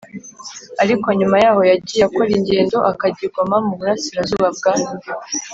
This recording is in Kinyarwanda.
ariko nyuma yaho yagiye akora ingendo akajya i Goma mu burasirazuba bwa